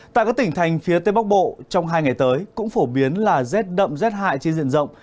tại các tỉnh thành phía tây bắc bộ trong hai ngày tới cũng phổ biến là rét đậm rét hại trên diện rộng